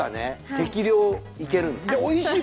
適量いけるんですよ